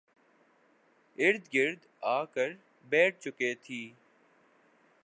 ارد گرد آ کر بیٹھ چکے تھی